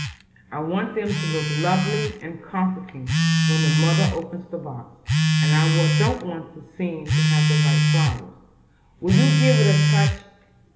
"I want them to look lovely and comforting when the mother opens the box, and I don't seem to have the right flowers. Will you give it a touch?